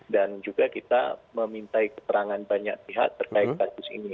dan juga kita memintai keterangan banyak pihak terkait kasus ini